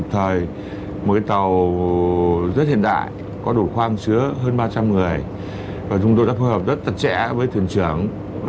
trong thời một cái tàu rất hiện đại có đủ khoang sứa hơn ba trăm linh người và chúng tôi đã phối hợp rất tật trẻ với thuyền trưởng